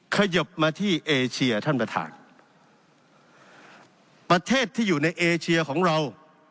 ขยบมาที่เอเชียท่านประธานประเทศที่อยู่ในเอเชียของเรา